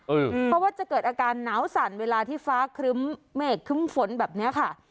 เพราะว่าจะเกิดอาการหนาวสั่นเวลาที่ฟ้าครึ้มเมฆครึ้มฝนแบบนี้ค่ะ